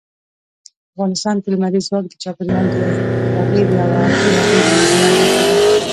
افغانستان کې لمریز ځواک د چاپېریال د تغیر یوه بله ډېره مهمه نښه ده.